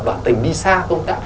bạn tình đi xa không cả